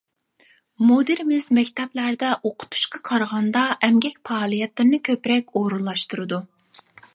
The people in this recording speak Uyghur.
مۇدىرىمىز مەكتەپلەردە ئوقۇتۇشقا قارىغاندا ئەمگەك پائالىيەتلىرىنى كۆپرەك ئورۇنلاشتۇرىدۇ.